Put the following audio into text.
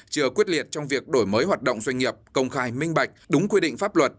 chưa quyết liệt trong việc đổi mới hoạt động doanh nghiệp công khai minh bạch đúng quy định pháp luật